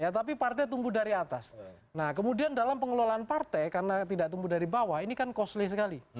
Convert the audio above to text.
tapi partai tumbuh dari atas nah kemudian dalam pengelolaan partai karena tidak tumbuh dari bawah ini kan costly sekali